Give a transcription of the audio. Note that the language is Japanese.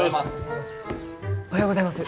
おはようございます。